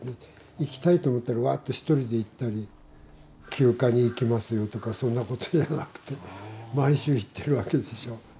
行きたいと思ったらワッと１人で行ったり「休暇に行きますよ」とかそんなことじゃなくて毎週行ってるわけでしょ。